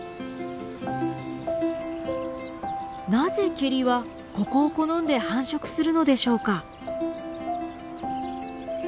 なぜケリはここを好んで繁殖するのでしょうか？